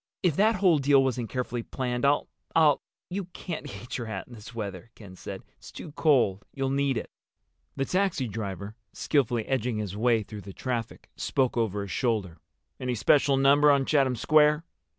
If that whole deal wasn't carefully planned I'll—I'll—" "You can't eat your hat in this weather," Ken said. "It's too cold. You'll need it." The taxi driver, skillfully edging his way through the traffic, spoke over his shoulder. "Any special number on Chatham Square?"